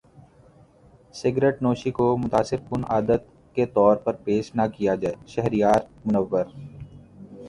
cigarette نوشی کو متاثر کن عادت کے طور پر پیش نہ کیا جائے شہریار منور